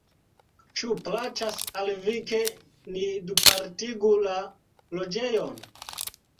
Ĉu plaĉas al vi, ke ni dupartigu la loĝejon?